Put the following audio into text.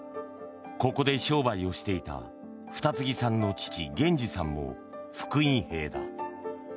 ここで商売をしていた二木さんの父・源治さんも復員兵だ。